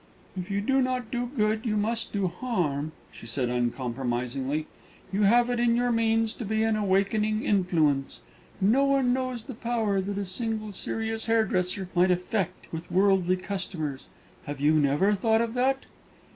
"If you do not do good, you must do harm," she said uncompromisingly. "You have it in your means to be an awakening influence. No one knows the power that a single serious hairdresser might effect with worldly customers. Have you never thought of that?"